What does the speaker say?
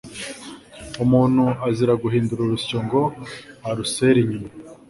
Umuntu azira guhindura urusyo ngo arusere inyuma,